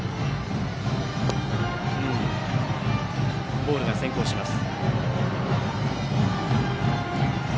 ボールが先行します。